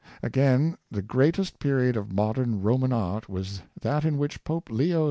Again, the greatest period of modern Roman art was that in which Pope Leo X.